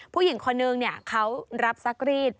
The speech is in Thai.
ผู้หญิงคนนึงเขารับซักรีด